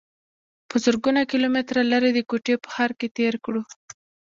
پۀ زرګونو کلومټره لرې د کوټې پۀ ښار کښې تير کړو